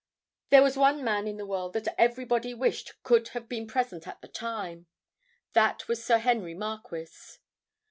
There was one man in the world that everybody wished could have been present at the time. That was Sir Henry Marquis.